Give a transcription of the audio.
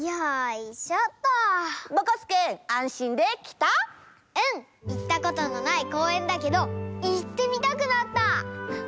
いったことのないこうえんだけどいってみたくなった！